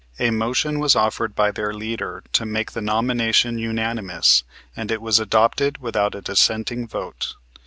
A motion was offered by their leader to make the nomination unanimous and it was adopted without a dissenting vote.